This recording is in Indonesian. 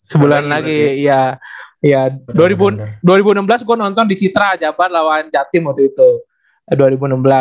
sebulan lagi ya ya dua ribu enam belas gue nonton di citra jabar lawan jatim waktu itu ya